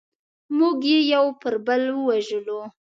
موږ یې یو پر بل ووژلو.